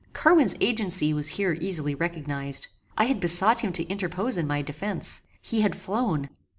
Carwin's agency was here easily recognized. I had besought him to interpose in my defence. He had flown.